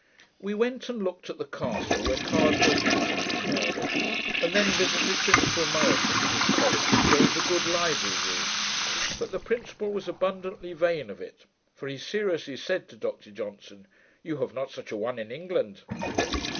We went and looked at the castle, where Cardinal Beaton was murdered, and then visited Principal Murison at his college, where is a good library room; but the principal was abundantly vain of it, for he seriously said to Dr Johnson, 'you have not such a one in England'.